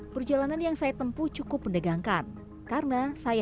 perjalanan seperti apa nih di sana